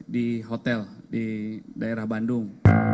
di hotel di daerah bandung